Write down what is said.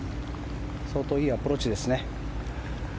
相当いいアプローチですね。